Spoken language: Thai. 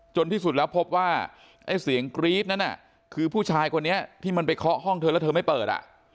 ที่สุดแล้วพบว่าไอ้เสียงกรี๊ดนั้นคือผู้ชายคนนี้ที่มันไปเคาะห้องเธอแล้วเธอไม่เปิด